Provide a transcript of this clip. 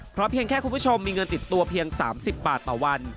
เพราะเพียงแค่คุณผู้ชมมีเงินติดตัวเพียง๓๐บาทต่อวัน